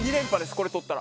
これとったら。